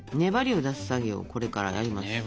粘りを出す作業をこれからやります。